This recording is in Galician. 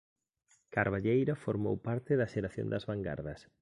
Carballeira formou parte da xeración das vangardas.